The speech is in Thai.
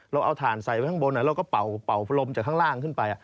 เราเอาถ่านใส่ไว้ข้างบนเราก็เป่าลมจากข้างล่างขึ้นไป